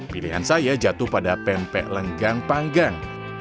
pilihan saya jatuh pada pempek lenggang panggang